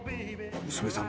娘さん